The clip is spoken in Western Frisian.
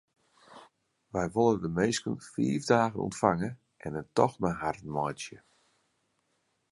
Wy wolle de minsken fiif dagen ûntfange en in tocht mei harren meitsje.